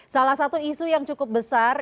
salah satu isu yang cukup besar